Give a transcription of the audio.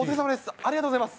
ありがとうございます。